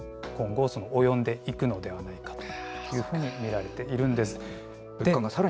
今後、及んでいくのではないかというふうに見られているんです。